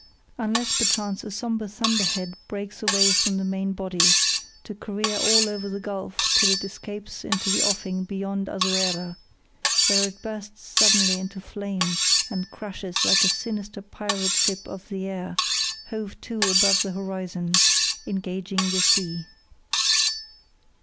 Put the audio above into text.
Unless perchance a sombre thunder head breaks away from the main body to career all over the gulf till it escapes into the offing beyond Azuera, where it bursts suddenly into flame and crashes like a sinster pirate ship of the air, hove to above the horizon, engaging the sea.